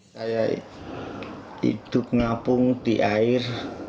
saya hidup ngapung di air